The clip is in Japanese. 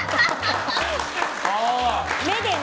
目でね。